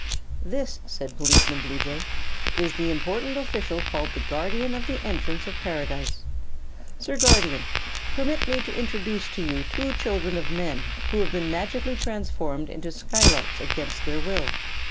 "This," said Policeman Bluejay, "is the important official called the Guardian of the Entrance of Paradise. Sir Guardian, permit me to introduce to you two children of men who have been magically transformed into skylarks against their will.